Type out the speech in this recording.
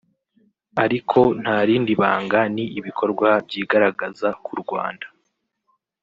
ariko nta rindi banga ni ibikorwa byigaragaza ku Rwanda